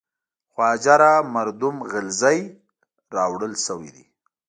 خواجه را مردم غلزی راوړل شوی دی.